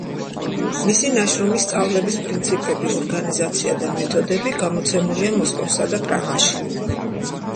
მისი ნაშრომი „სწავლების პრინციპები, ორგანიზაცია და მეთოდები“ გამოცემულია მოსკოვსა და პრაღაში.